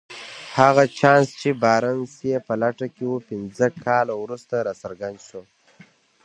هغه چانس چې بارنس يې په لټه کې و پنځه کاله وروسته راڅرګند شو.